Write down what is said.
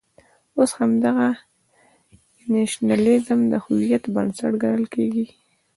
اوس همدغه نېشنلېزم د هویت بنسټ ګڼل کېږي.